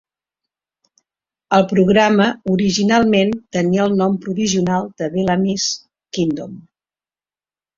El programa originalment tenia el nom provisional de "Bellamy's Kingdom".